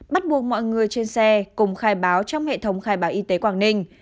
bắt buộc mọi người trên xe cùng khai báo trong hệ thống khai báo y tế quảng ninh